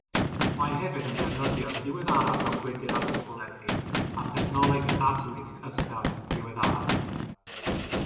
Mae hefyd yn defnyddio'r diweddaraf mewn gwydr atal bwledi a'r dechnoleg arfwisg ysgafn ddiweddaraf.